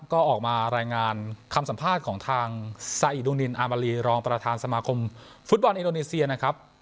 ก็ออกมารายงานคำสัมภาษณ์ของทางซาอิดูนินอามารีรองประธานสมาคมฟุตบอลอินโดนีเซียนะครับ